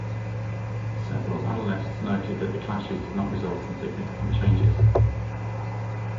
Several analysts noted that the clashes did not result in significant changes.